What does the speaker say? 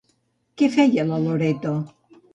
Què feia la Loreto?